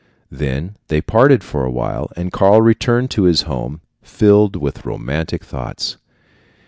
Then they parted for a while, and Karl returned to his home, filled with romantic thoughts.